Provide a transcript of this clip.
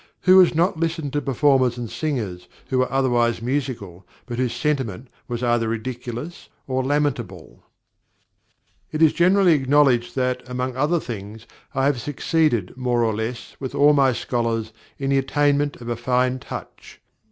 Who has not listened to performers and singers who were otherwise musical, but whose sentiment was either ridiculous or lamentable? It is generally acknowledged that, among other things, I have succeeded more or less with all my scholars in the attainment of a fine touch.